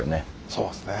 そうですね。